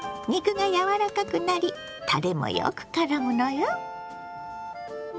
肉がやわらかくなりたれもよくからむのよ。